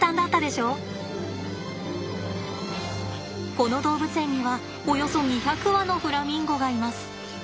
この動物園にはおよそ２００羽のフラミンゴがいます。